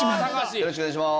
よろしくお願いします！